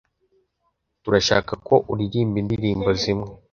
Turashaka ko uririmba indirimbo zimwe.